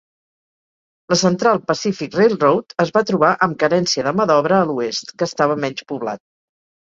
La Central Pacific Railroad es va trobar amb carència de ma d'obra a l'Oest, que estava menys poblat.